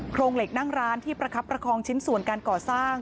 โรงเหล็กนั่งร้านที่ประคับประคองชิ้นส่วนการก่อสร้าง